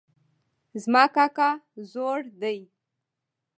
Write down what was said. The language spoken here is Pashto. زما کاکا زوړ ده